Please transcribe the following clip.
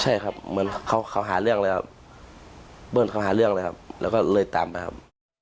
ใช่ครับเหมือนเขาหาเรื่องเลยครับเบิ้ลเขาหาเรื่องเลยครับแล้วก็เลยตามไปครับ